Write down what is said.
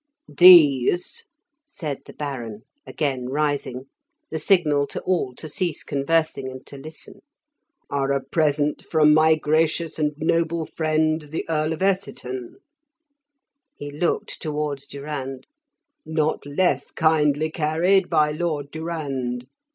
"These," said the Baron, again rising (the signal to all to cease conversing and to listen), "are a present from my gracious and noble friend the Earl of Essiton" (he looked towards Durand), "not less kindly carried by Lord Durand.